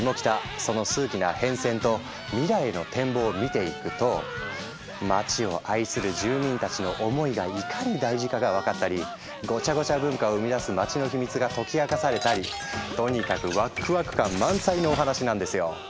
その数奇な変遷と未来への展望を見ていくと街を愛する住民たちの思いがいかに大事かが分かったりごちゃごちゃ文化を生み出す街のヒミツが解き明かされたりとにかくワクワク感満載のお話なんですよ。